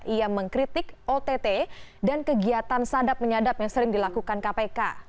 ia mengkritik ott dan kegiatan sadap menyadap yang sering dilakukan kpk